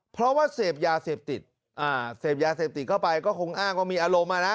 เพราะว่าเสพยาเสพติดอ่าเสพยาเสพติดเข้าไปก็คงอ้างว่ามีอารมณ์อ่ะนะ